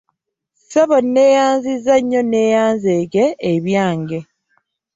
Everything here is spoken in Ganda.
Ssebo nneeyanzizza nneeyanzeege ebyange.